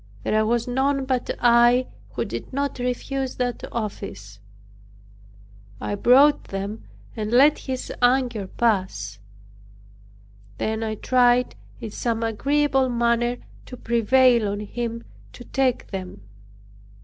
There was none but I who did not refuse that office. I brought them and let his anger pass; then I tried in some agreeable manner to prevail on him to take them.